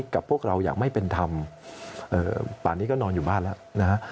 กับพวกเราอย่างไม่เป็นธรรมป่านนี้ก็นอนอยู่บ้านแล้วนะฮะ